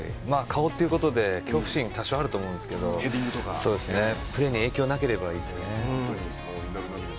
顔ということで恐怖心、多少あると思いますがプレーに影響がなければいいですね。